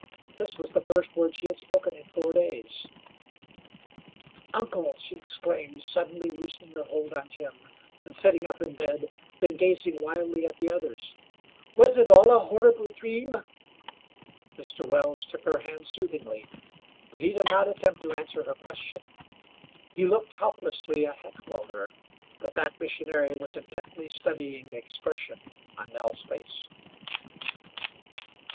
This was the first word she had spoken in four days. "Uncle!" she exclaimed, suddenly loosening her hold on Jim, and sitting up in bed, then she gazed wildly at the others. "Was it all a horrible dream?" Mr. Wells took her hand soothingly, but he did not attempt to answer her question. He looked helplessly at Heckewelder, but that missionary was intently studying the expression on Nell's face.